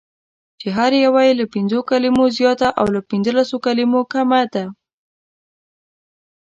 چې هره یوه یې له پنځو کلمو زیاته او له پنځلسو کلمو کمه ده: